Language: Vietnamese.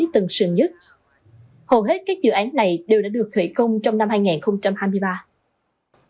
tân sơn nhất hầu hết các dự án này đều đã được khởi công trong năm hai nghìn hai mươi ba